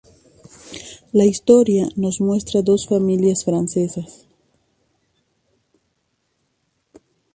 La historia nos muestra a dos familias francesas.